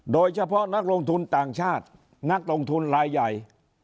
โดยเฉพาะนักลงทุนต่างชาตินักลงทุนรายใหญ่